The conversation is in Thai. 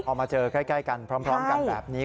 พอมาเจอใกล้กันพร้อมกันแบบนี้